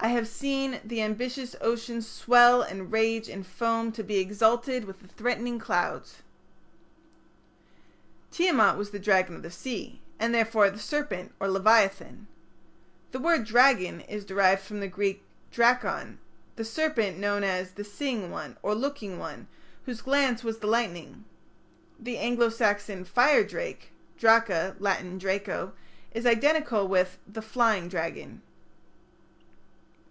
I have seen The ambitious ocean swell and rage and foam To be exalted with the threatening clouds. Tiamat was the dragon of the sea, and therefore the serpent or leviathan. The word "dragon" is derived from the Greek "drakon", the serpent known as "the seeing one" or "looking one", whose glance was the lightning. The Anglo Saxon "fire drake" ("draca", Latin "draco") is identical with the "flying dragon".